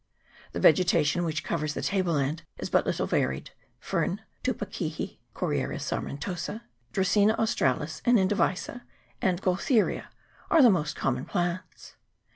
The vegetation which covers the table land is but little varied : fern, tupakihi (Coriaria sarmen tosa), Dracaena australis and indivisa, and Gaul theria, are the most common plants.